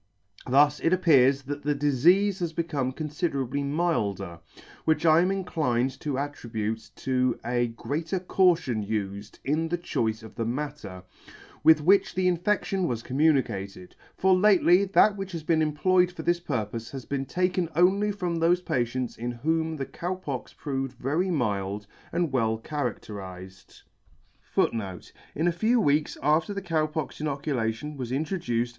Thus it appears that the difeafe has become confiderably milder; which I am inclined to at tribute to a greater caution ufed in the choice of the matter, with which the infection was communicated.; for lately, that which has been employed for this purpofe has been taken only from thofe patients in whom the Cow Pox proved very mild and well charabterifed *.